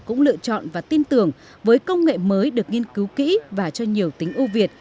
cũng lựa chọn và tin tưởng với công nghệ mới được nghiên cứu kỹ và cho nhiều tính ưu việt